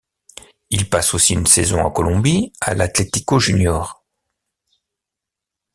Il passe aussi une saison en Colombie, à l'Atlético Junior.